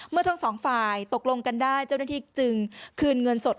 ทั้งสองฝ่ายตกลงกันได้เจ้าหน้าที่จึงคืนเงินสด